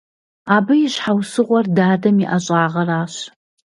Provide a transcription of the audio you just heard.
Абы и щхьэусыгъуэр дадэм и ӀэщӀагъэращ.